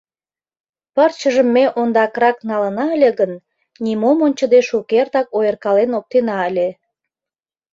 — Пырчыжым ме ондакрак налына ыле гын, нимом ончыде шукертак ойыркален оптена ыле.